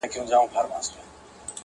د ښكلا ميري د ښكلا پر كلي شــپه تېروم.